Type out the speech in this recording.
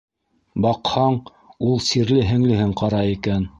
Баҡһаң, ул сирле һеңлеһен ҡарай икән!